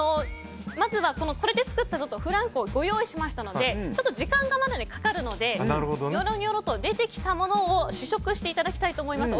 まずはこれで作ったフランクをご用意しましたのでまだ時間がかかりますのでにょろにょろと出てきたものを試食していただきたいと思います。